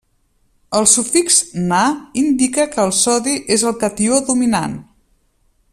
El sufix -Na indica que el sodi és el catió dominant.